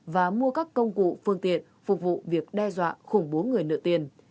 và mua các công cụ phương tiện phục vụ việc đe dọa khủng bố người nợ tiền